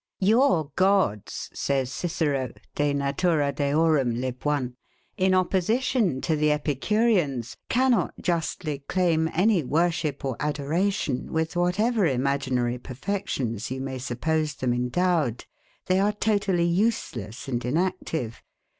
Your Gods, says Cicero [De Nat. Deor. lib. i.], in opposition to the Epicureans, cannot justly claim any worship or adoration, with whatever imaginary perfections you may suppose them endowed. They are totally useless and inactive.